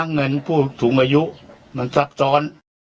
เงินผู้สูงอายุมันซับซ้อน